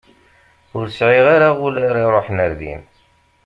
Ur sεiɣ ara ul ara iruḥen ɣer din.